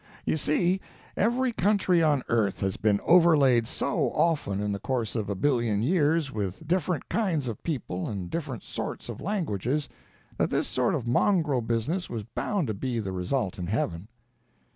You see, every country on earth has been overlaid so often, in the course of a billion years, with different kinds of people and different sorts of languages, that this sort of mongrel business was bound to be the result in heaven."